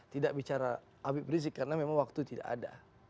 tidak bicara habib rizik karena memang waktu tidak ada